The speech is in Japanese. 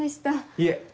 いえ！